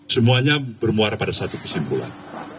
semuanya bermuara pada satu kesimpulan